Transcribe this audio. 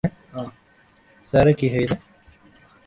কুসুম একটু ভাবিল আসব, অনেক দেরি করে আসব।